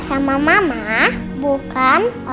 tak ada apa apa